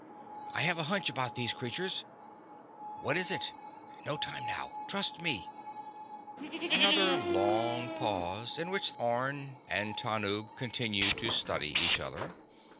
_ "I have a hunch about these creatures." "What is it?" "No time now. Trust me." Another long pause in which Orne and Tanub continued to study each other.